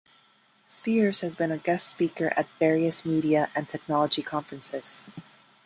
Spiers has been a guest speaker at various media and technology conferences.